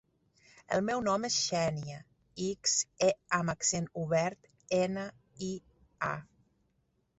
El meu nom és Xènia: ics, e amb accent obert, ena, i, a.